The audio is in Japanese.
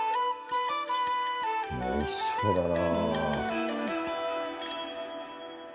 おいしそうだな。